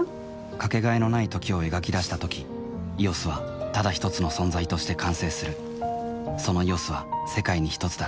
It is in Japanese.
かけがえのない「時」を描き出したとき「ＥＯＳ」はただひとつの存在として完成するその「ＥＯＳ」は世界にひとつだ